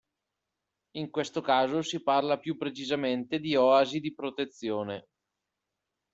In questo caso si parla più precisamente di oasi di protezione.